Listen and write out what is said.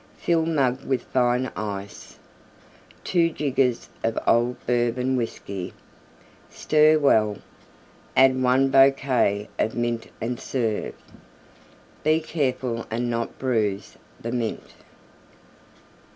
Fill mug with Fine Ice. Two jiggers of Old Bourbon Whiskey. Stir well; add one boquet of Mint and serve. Be careful and not bruise the Mint.